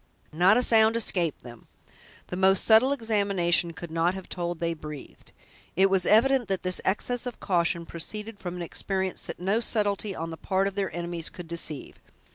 Not a sound escaped them; the most subtle examination could not have told they breathed. It was evident that this excess of caution proceeded from an experience that no subtlety on the part of their enemies could deceive.